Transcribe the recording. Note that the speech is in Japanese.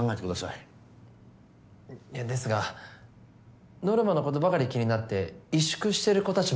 いやですがノルマのことばかり気になって萎縮してる子たちも多くて。